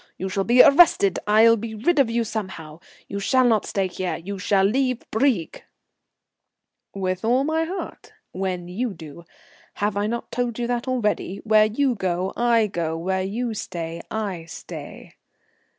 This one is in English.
You shall be arrested. I'll be rid of you somehow, you shall not stay here, you shall leave Brieg." "With all my heart when you do. Have I not told you that already? Where you go I go, where you stay I stay."